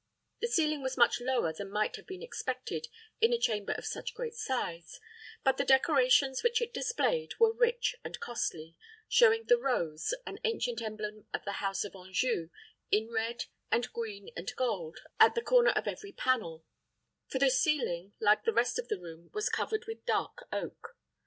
The ceiling was much lower than might have been expected in a chamber of such great size; but the decorations which it displayed were rich and costly, showing the rose, an ancient emblem of the house of Anjou, in red, and green, and gold, at the corner of every panel; for the ceiling, like the rest of the room, was covered with dark oak.